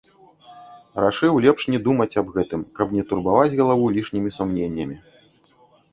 Рашыў лепш не думаць аб гэтым, каб не турбаваць галаву лішнімі сумненнямі.